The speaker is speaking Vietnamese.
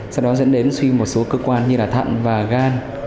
sau đó dẫn đến suy một số cơ quan như là thận và gan